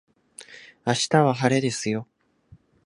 明日は晴れですよ